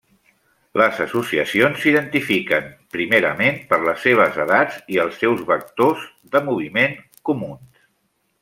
Les associacions s'identifiquen primerament per les seves edats i els seus vectors de moviment comuns.